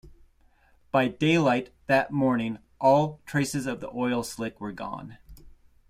By daylight that morning, all traces of the oil slick were gone.